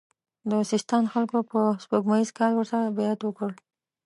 د سیستان خلکو په سپوږمیز کال ورسره بیعت وکړ.